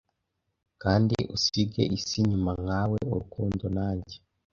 Kandi usige isi imyuka nkawe, urukundo, nanjye.